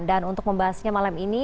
dan untuk membahasnya malam ini